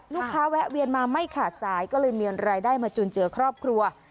แวะเวียนมาไม่ขาดสายก็เลยมีรายได้มาจุนเจือครอบครัว